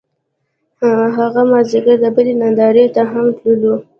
هغه مازیګر د بلۍ نندارې ته هم تللو